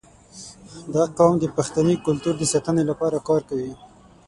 • دا قوم د پښتني کلتور د ساتنې لپاره کار کوي.